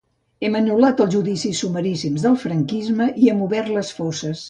Hem anul·lat els judicis sumaríssims del franquisme i hem obert les fosses.